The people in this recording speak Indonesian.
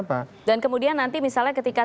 pak dan kemudian nanti misalnya ketika